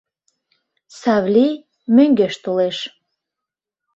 Савлий мӧҥгеш толеш.